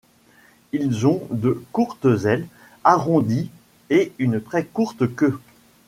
Ils ont de courtes ailes arrondies et une très courte queue.